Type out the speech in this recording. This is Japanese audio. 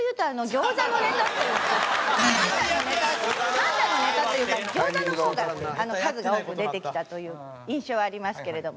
パンダのネタというか餃子の方が数が多く出てきたという印象ありますけれども。